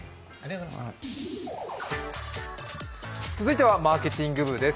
続いてはマーケティング部です。